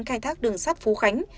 khai thác đường sắt phú khánh